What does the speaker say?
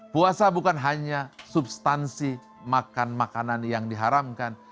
puasa bukan hanya substansi makan makanan yang diharamkan